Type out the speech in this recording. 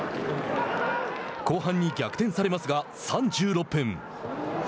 後半に逆転されますが３６分。